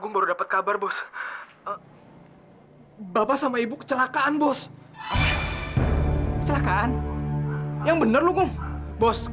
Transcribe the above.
mulai hari ini aku akan berubah